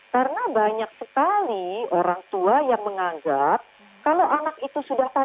karena banyak sekali orang tua yang menganggap kalau anak itu sudah pacaran